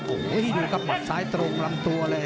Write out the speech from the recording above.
โอ้โหดูครับหมัดซ้ายตรงลำตัวเลย